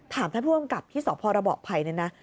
ถามท่านผู้กำกับที่ส่องพรบอบภัยนี่นะ